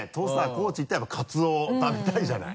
高知行ったらやっぱカツオ食べたいじゃない。